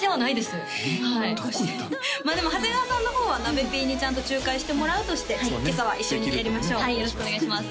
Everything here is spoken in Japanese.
でも長谷川さんの方はなべＰにちゃんと仲介してもらうとして今朝は一緒にやりましょうはいよろしくお願いします